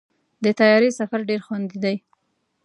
د طیارې سفر ډېر خوندي دی.